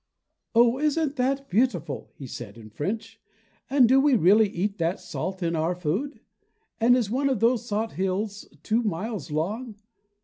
"Oh, isn't that beautiful", he said in French. "And do we really eat that salt in our food? And is one of those salt hills two miles long?